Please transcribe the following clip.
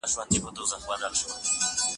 له لوړ غره نه